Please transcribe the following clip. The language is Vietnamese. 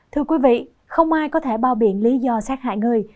thưa quý vị không ai có thể bao biện lý do sát hại người